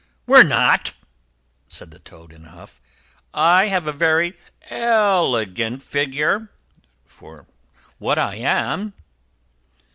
"We're not," said the Toad in a huff. "I have a very elegant figure—for what I am."